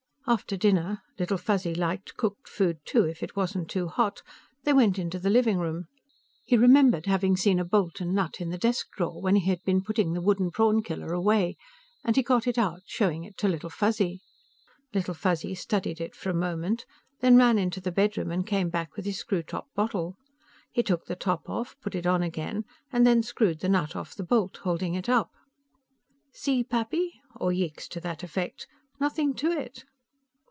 After dinner Little Fuzzy liked cooked food, too, if it wasn't too hot they went into the living room. He remembered having seen a bolt and nut in the desk drawer when he had been putting the wooden prawn killer away, and he got it out, showing it to Little Fuzzy. Little Fuzzy studied it for a moment, then ran into the bedroom and came back with his screw top bottle. He took the top off, put it on again and then screwed the nut off the bolt, holding it up. "See, Pappy?" Or yeeks to that effect. "Nothing to it."